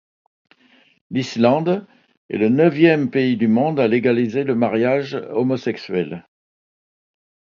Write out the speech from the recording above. L'Islande est le neuvième pays du monde à légaliser le mariage homosexuel.